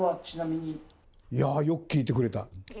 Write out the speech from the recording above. いやよく聞いてくれた。